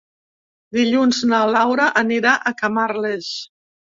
Dilluns na Laura anirà a Camarles.